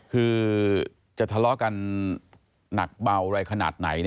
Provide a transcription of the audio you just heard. คือจะทะเลาะกันหนักเบาอะไรขนาดไหน